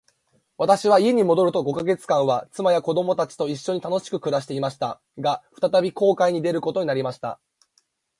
私は家に戻ると五ヵ月間は、妻や子供たちと一しょに楽しく暮していました。が、再び航海に出ることになりました。